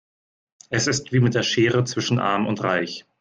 Es ist wie mit der Schere zwischen arm und reich.